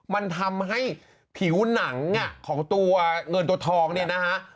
มันทำให้ผิวหนังของตัวเงินตัวทองเนี่ยนะฮะ